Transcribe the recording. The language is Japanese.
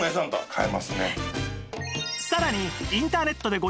買えますね。